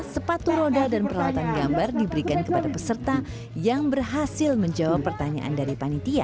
sepatu roda dan peralatan gambar diberikan kepada peserta yang berhasil menjawab pertanyaan dari panitia